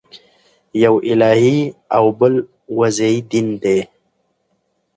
یو الهي او بل وضعي دین دئ.